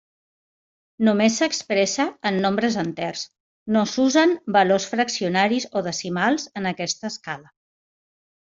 Només s'expressa en nombres enters, no s'usen valors fraccionaris o decimals en aquesta escala.